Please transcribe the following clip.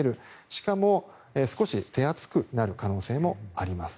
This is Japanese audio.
しかも、少し手厚くなる可能性もあります。